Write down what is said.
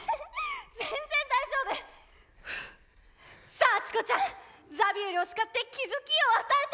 さあチコちゃんザビエルを叱って気付きを与えて。